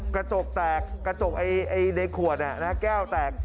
กระจกแตกในขวดแก้วแตก